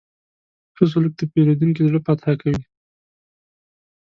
ښه سلوک د پیرودونکي زړه فتح کوي.